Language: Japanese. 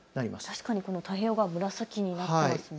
確かに太平洋側、紫になっていますね。